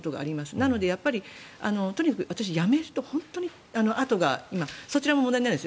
なのでやっぱり、とにかく私、辞めると本当にそちらも問題なんです。